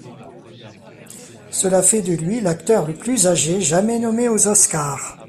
Cela fait de lui l'acteur le plus âgé jamais nommé aux Oscars.